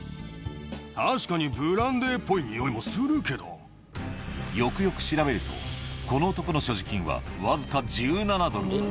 確かにブランデーっぽいにおよくよく調べると、この男の所持金は僅か１７ドル。